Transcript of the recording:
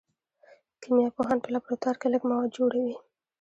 کیمیا پوهان په لابراتوار کې لږ مواد جوړوي.